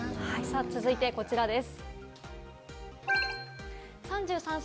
続いてこちらです。